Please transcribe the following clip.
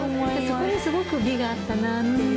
そこにすごく美があったなっていう。